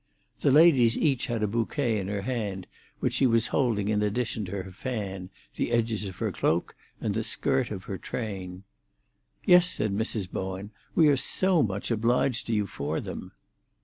The ladies each had a bouquet in her hand, which she was holding in addition to her fan, the edges of her cloak, and the skirt of her train. "Yes," said Mrs. Bowen; "we are so much obliged to you for them."